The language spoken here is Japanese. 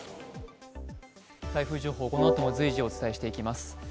台風情報、このあとも随時お伝えしてまいります。